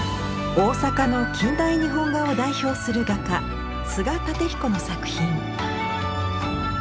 大阪の近代日本画を代表する画家菅楯彦の作品。